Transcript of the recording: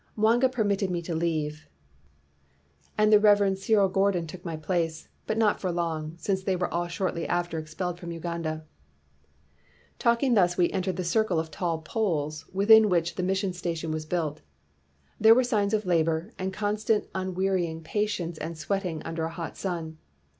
Mwanga permitted me to leave, and the 264 Talking Tins. We Entered the Circle of Tali, Poles' HE LAYS DOWN HIS TOOLS Rev. Cyril Gordon took my place; but not for long, since they were all shortly after expelled from Uganda.'' "Talking thus, we entered the circle of tall poles, within which the mission station was built. There were signs of labor, and constant unwearying patience and sweating under a hot sun.